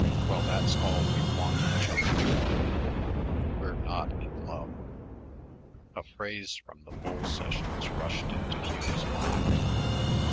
Well, that's all we want each other for. We're not in love." A phrase from the bull sessions rushed into Hugh's mind.